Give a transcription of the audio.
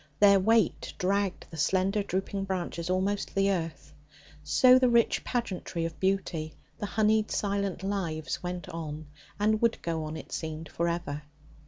Their weight dragged the slender drooping branches almost to the earth. So the rich pageantry of beauty, the honeyed silent lives went on, and would go on, it seemed for ever.